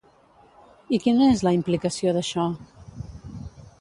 I quina és la implicació d'això?